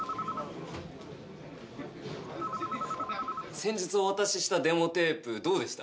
先日お渡ししたデモテープ、どうでした？